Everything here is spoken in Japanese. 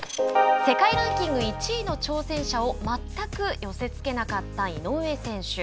世界ランキング１位の挑戦者を全く寄せ付けなかった井上選手。